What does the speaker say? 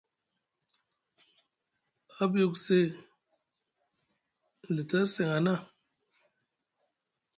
A byo ku see nɵa tar seŋ a na.